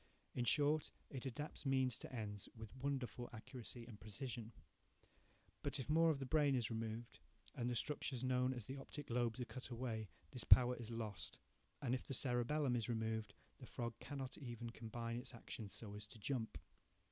1 In short, it adapts means to ends with wonderful accuracy and precision. But if more of the brain is removed, and the structures known as the optic lobes are cut away, this power is lost; and if the cerebellum is removed, the frog cannot even combine its actions so as to jump.